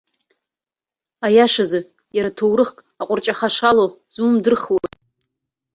Аиашазы, иара ҭоурыхк аҟәырҷаха шалоу зумдырхуеи.